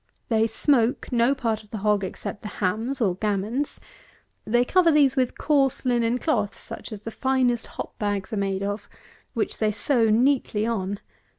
They smoke no part of the hog except the hams, or gammons. They cover these with coarse linen cloth such as the finest hop bags are made of, which they sew neatly on.